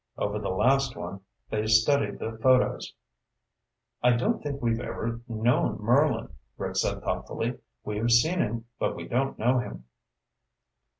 Over the last one, they studied the photos. "I don't think we've ever known Merlin," Rick said thoughtfully. "We've seen him, but we don't know him."